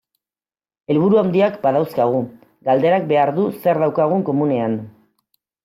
Helburu handiak badauzkagu, galderak behar du zer daukagun komunean.